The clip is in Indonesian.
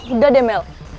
udah deh mel